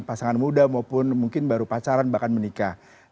pasangan muda maupun mungkin baru pacaran bahkan menikah